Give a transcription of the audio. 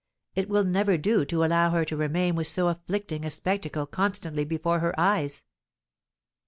It will never do to allow her to remain with so afflicting a spectacle constantly before her eyes."